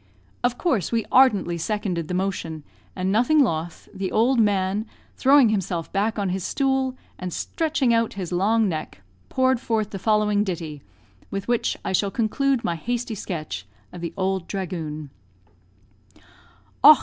Of course we ardently seconded the motion, and nothing loth, the old man, throwing himself back on his stool, and stretching out his long neck, poured forth the following ditty, with which I shall conclude my hasty sketch of the "ould dhragoon": Och!